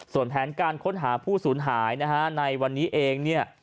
ส่วนแผนการค้นหาผู้สูญหายนะฮะในวันนี้เองเนี่ย